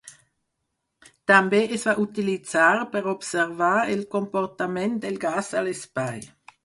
També es va utilitzar per observar el comportament del gas a l’espai.